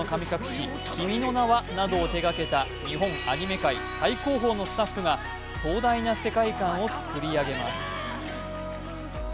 「千と千尋の神隠し」、「君の名は」などを手掛けた日本アニメ界最高峰のスタッフが壮大な世界観を作り上げます。